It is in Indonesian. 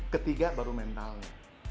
ketiga baru mentalnya